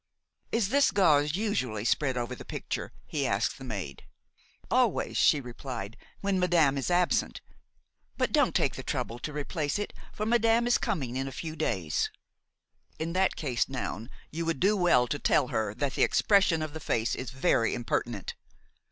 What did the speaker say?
Is this gauze usually spread over the picture?" he asked the maid. "Always," she replied, "when madame is absent. But don't take the trouble to replace it, for madame is coming in a few days." "In that case, Noun, you would do well to tell her that the expression of the face is very impertinent.